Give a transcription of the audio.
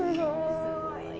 すごい。